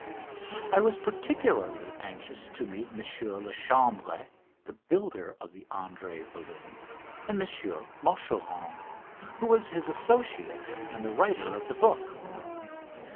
I was particularly anxious to meet M. Lachambre, the builder of the Andrée balloon, and M. Machuron, who was his associate and the writer of the book.